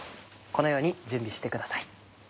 このように準備してください。